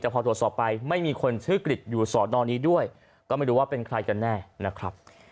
แต่พอตรวจสอบไปไม่มีคนชื่อกริจอยู่สอนอนี้ด้วยก็ไม่รู้ว่าเป็นใครกันแน่นะครับ